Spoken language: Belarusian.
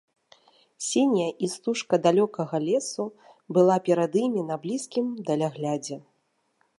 Сіняя істужка далёкага лесу была перад імі на блізкім даляглядзе.